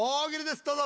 どうぞ。